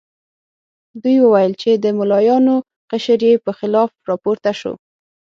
دوی وویل چې د ملایانو قشر یې په خلاف راپورته شو.